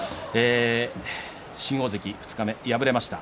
新大関、二日目に敗れました。